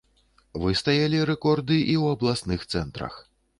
Выстаялі рэкорды і ў абласных цэнтрах.